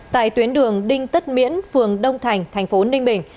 tại tuyến đường đinh tất miễn phường đông thành thành phố ninh bình